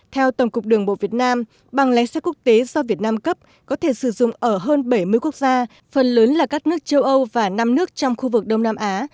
theo tổng cục đường bộ việt nam bằng lái xe quốc tế do việt nam cấp có thể sử dụng ở hơn bảy mươi quốc gia phần lớn là các nước châu âu và năm nước trong khu vực đông nam á